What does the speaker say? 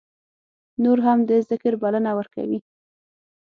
نور هم د ذکر بلنه ورکوي.